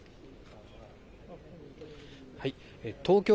東京